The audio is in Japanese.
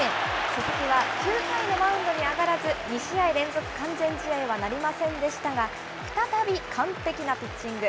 佐々木は９回のマウンドには上がらず、２試合連続完全試合はなりませんでしたが、再び完璧なピッチング。